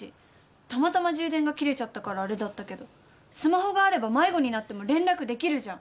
たまたま充電が切れちゃったからあれだったけどスマホがあれば迷子になっても連絡できるじゃん。